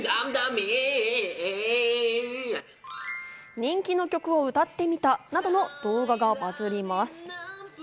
人気の曲を歌ってみた動画がバズります。